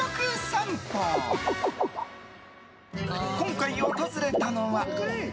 今回訪れたのは。